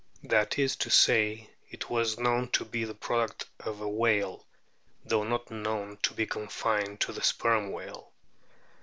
That is to say, it was known to be the product of a whale, though not known to be confined to the Sperm whale.